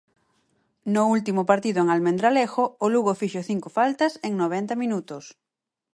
No último partido en Almendralejo o Lugo fixo cinco faltas en noventa minutos.